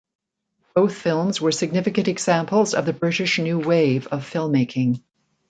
Both films were significant examples of the British New Wave of film-making.